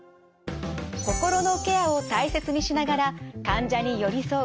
心のケアを大切にしながら患者に寄り添う